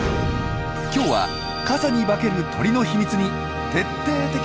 今日は傘に化ける鳥の秘密に徹底的に迫ります。